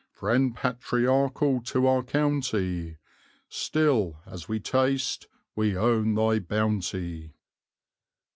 Friend patriarchal to our county! Still, as we taste, we own thy bounty.